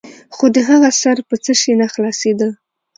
خو د هغه سر په څه شي نه خلاصېده.